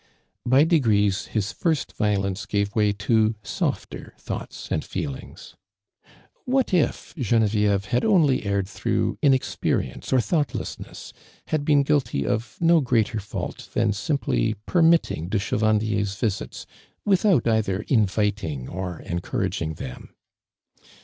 By degrees his first violence gave way to softer thoughts and feelings. What if (fe nevicve had only erred through inexpe rience or thoughtlessness — had been gudty of no greater fault than simply permitting de Chevandier's visits, without cither invit ing or encouraging them